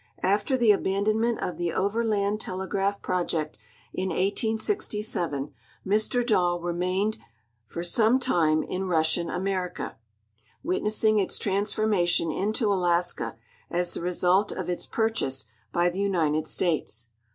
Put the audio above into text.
After the abandonment of the overland telegraph project in 1867, Mr Dali remained for some time in Russian America, witnessing its transformation into Alaska as the result of its purchase by the United States.